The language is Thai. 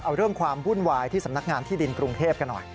เอาเรื่องความวุ่นวายที่สำนักงานที่ดินกรุงเทพกันหน่อย